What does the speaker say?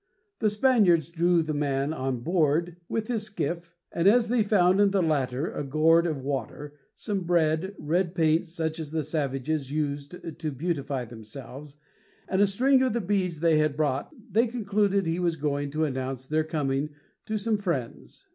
The Spaniards drew the man on board with his skiff, and as they found in the latter a gourd of water, some bread, red paint such as the savages used to beautify themselves, and a string of the beads they had brought, they concluded he was going to announce their coming to some friends.